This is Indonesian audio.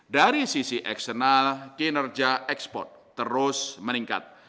dari sisi eksternal kinerja ekspor terus meningkat